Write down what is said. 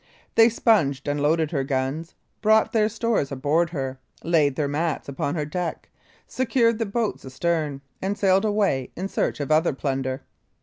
They sponged and loaded her guns, brought their stores aboard her, laid their mats upon her deck, secured the boats astern, and sailed away in search of other plunder.